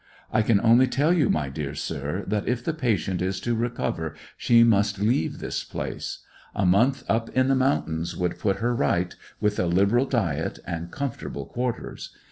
"I can only tell you, my dear sir, that if the patient is to recover she must leave this place. A month up in the mountains would put her right, with a liberal diet, and comfortable quarters.